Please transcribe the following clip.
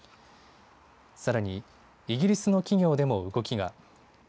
さらにイギリスの企業でも動きが。